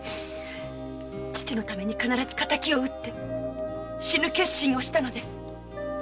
父のために必ず敵を討って死ぬ決心をしたのです！